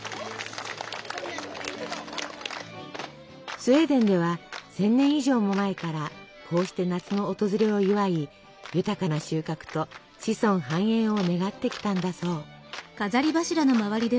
スウェーデンでは１，０００年以上も前からこうして夏の訪れを祝い豊かな収穫と子孫繁栄を願ってきたんだそう。